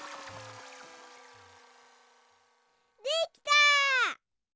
できた！